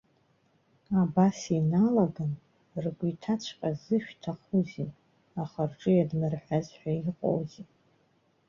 Абас иналаган, ргәы иҭаҵәҟьаз зышәҭахузеи, аха рҿы иадмырҳәаз ҳәа иҟоузеи.